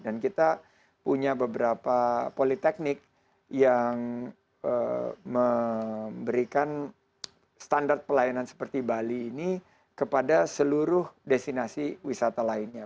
dan kita punya beberapa politeknik yang memberikan standar pelayanan seperti bali ini kepada seluruh destinasi wisata lainnya